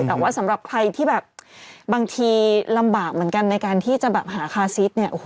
แต่ว่าสำหรับใครที่แบบบางทีลำบากเหมือนกันในการที่จะแบบหาคาซิสเนี่ย